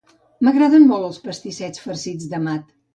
M'agraden molt els pastissets farcits de mat